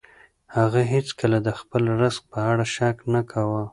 هغه هیڅکله د خپل رزق په اړه شک نه کاوه.